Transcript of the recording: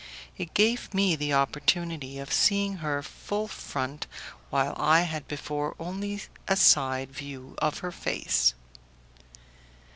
It gave me the opportunity of seeing her full front, while I had before only a side view of her face.